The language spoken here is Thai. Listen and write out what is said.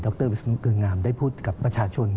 รวิศนุเกลืองามได้พูดกับประชาชน